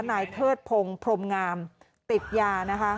เทิดพงศ์พรมงามติดยานะคะ